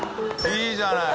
いいじゃない！